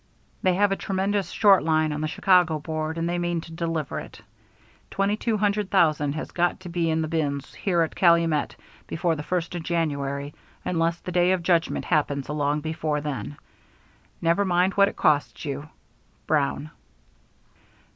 They have a tremendous short line on the Chicago Board, and they mean to deliver it. Twenty two hundred thousand has got to be in the bins there at Calumet before the first of January unless the Day of Judgment happens along before then. Never mind what it costs you. BROWN.